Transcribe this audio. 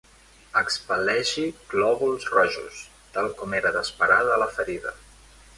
Expel·leixi glòbuls rojos, tal com era d'esperar de la ferida.